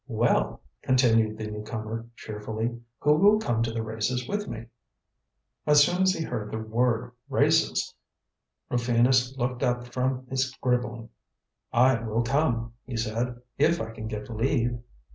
"Well," continued the new comer cheerfully, "Who will come to the races with me?" As soon as he heard the word races, Rufinus looked up from his scribbling. "I will come," he said, "if I can get leave."